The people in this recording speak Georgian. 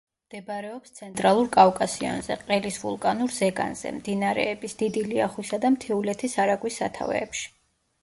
მდებარეობს ცენტრალურ კავკასიონზე, ყელის ვულკანურ ზეგანზე, მდინარეების დიდი ლიახვისა და მთიულეთის არაგვის სათავეებში.